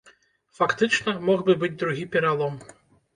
Фактычна, мог бы быць другі пералом.